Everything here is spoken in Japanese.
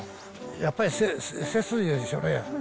やっぱり、背筋でしょうね。